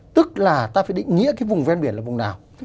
tức là ta phải định nghĩa cái vùng ven biển là vùng nào